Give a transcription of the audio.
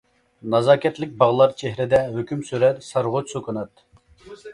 نازاكەتلىك باغلار چېھرىدە، ھۆكۈم سۈرەر سارغۇچ سۈكۈنات.